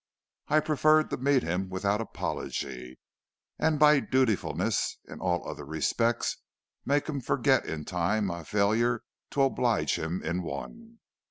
I preferred to meet him without apology, and by dutifulness in all other respects make him forget in time my failure to oblige him in one.